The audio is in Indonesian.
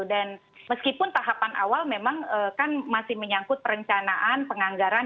dan meskipun tahapan awal memang kan masih menyangkut perencanaan penganggaran